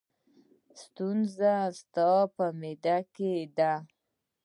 ستونزه ستاسو په معده کې ده.